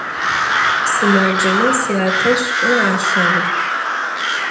Sımaceme syate ş'u alheğu.